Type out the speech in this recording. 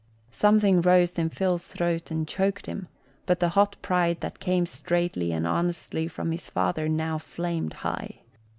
Something rose in Phil's throat and choked him, but the hot pride that came straightly and honestly from his father now flamed high.